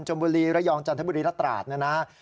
จมบุรีระยองจันทบุรีระตราศน์นะนะ